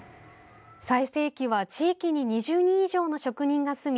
最盛期は地域に２０人以上の職人が住み